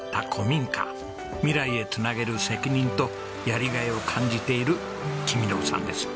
未来へ繋げる責任とやりがいを感じている公伸さんです。